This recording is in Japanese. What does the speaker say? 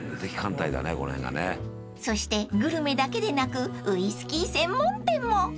［そしてグルメだけでなくウイスキー専門店も］